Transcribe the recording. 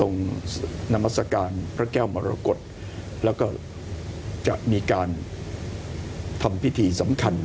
นามัศกาลพระแก้วมรกฏแล้วก็จะมีการทำพิธีสำคัญ